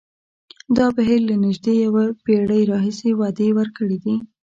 دا بهیر له نژدې یوه پېړۍ راهیسې وعدې ورکړې دي.